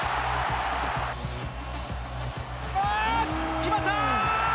決まった！